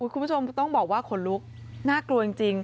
คุณผู้ชมต้องบอกว่าขนลุกน่ากลัวจริง